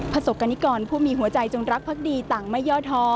ประสบกรณิกรผู้มีหัวใจจงรักพักดีต่างไม่ย่อท้อ